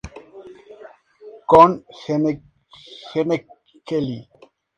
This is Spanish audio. Con Gene Kelly.